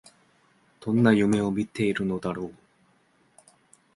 どんな夢を見ているのだろう